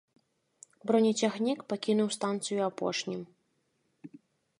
Бронецягнік пакінуў станцыю апошнім.